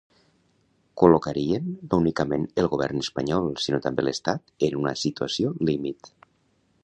Col·locarien, no únicament el govern espanyol, sinó també l’estat, en una situació límit.